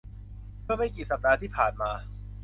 เมื่อไม่กี่สัปดาห์ที่ผ่านมา